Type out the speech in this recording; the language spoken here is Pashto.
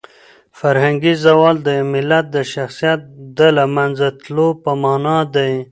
فرهنګي زوال د یو ملت د شخصیت د لمنځه تلو په مانا دی.